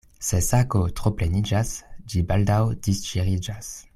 Se sako tro pleniĝas, ĝi baldaŭ disŝiriĝas.